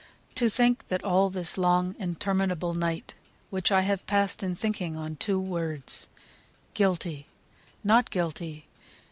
"To think That all this long interminable night, Which I have passed in thinking on two words 'Guilty' 'Not Guilty!'